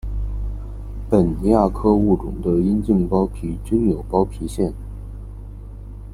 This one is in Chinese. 本亚科物种的阴茎包皮均有包皮腺。